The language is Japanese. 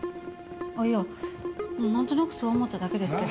あっいやなんとなくそう思っただけですけど。